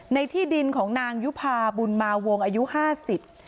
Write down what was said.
ในที่ดินของนางยุภาบุญมาวงอายุห้าสิบ